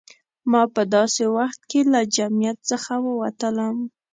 ما په داسې وخت کې له جمعیت څخه ووتلم.